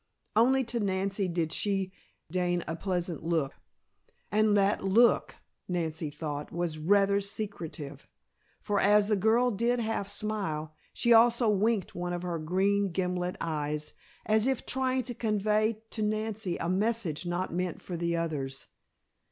Only to Nancy did she deign a pleasant look, and that look, Nancy thought, was rather secretive. For as the girl did half smile, she also winked one of her green, gimlet eyes, as if trying to convey to Nancy a message not meant for the others.